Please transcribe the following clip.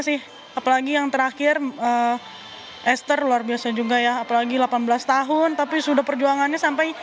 sih apalagi yang terakhir esther luar biasa juga ya apalagi delapan belas tahun tapi sudah perjuangannya sampai